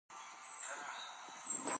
اداري حقوق د دولت دندې مشخصوي.